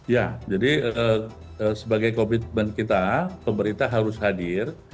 ya jadi sebagai komitmen kita pemerintah harus hadir